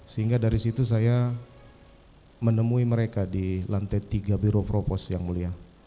sehingga dari situ saya menemui mereka di lantai tiga biro propos yang mulia